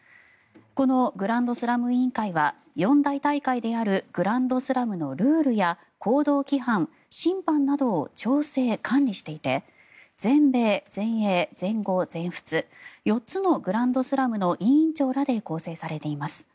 このグランドスラム委員会は四大大会であるグランドスラムのルールや行動規範、審判などを調整・管理していて全米、全英、全豪、全仏４つのグランドスラムの委員長らで構成されています。